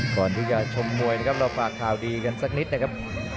ก่อนที่จะชมมวยนะครับเราฝากข่าวดีกันสักนิดนะครับ